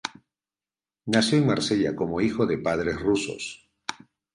Nació en Marsella como hijo de padres rusos.